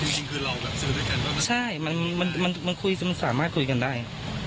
จริงคือเราก็เจอกันแล้วนะครับใช่มันคุยสามารถคุยกันได้